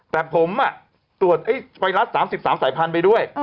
แต่ผมตรวจไวรัส๓๓สายพันธุ์ไปด้วย